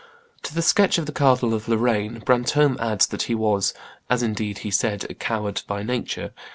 To the sketch of the Cardinal of Lorraine Brantome adds that he was, "as indeed he said, a coward by nature."